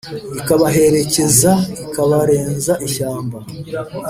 ikabaherekeza, ikabarenza ishyamba